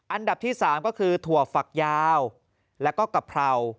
อันดับที่๓ก็คือถั่วฝักยาวแล้วก็กะเพรา